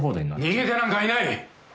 逃げてなんかいない！